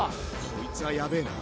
こいつはやべえな。